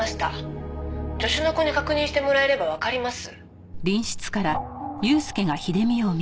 「助手の子に確認してもらえればわかります」